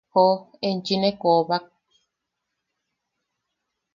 ¡Joo, enchi ne koobak!